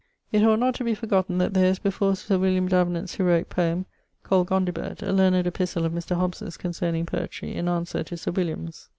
☞ It ought not to be forgotten that there is before Sir William Davenant's heroique poem called Gondibert, a learned epistle of Mr. Hobbes's concerning poetrie, in answer to Sir William's.